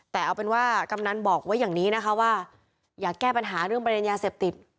แต่เอาเป็นว่ากำนันบอกไว้อย่างนี้นะคะว่าอยากแก้ปัญหาเรื่องประเด็นยาเสพติด